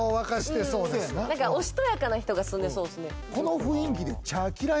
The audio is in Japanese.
何かおしとやかな人が住んでそうですね。